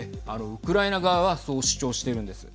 ウクライナ側はそう主張しているんです。